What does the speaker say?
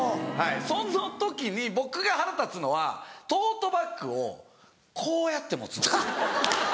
その時に僕が腹立つのはトートバッグをこうやって持つんですよ。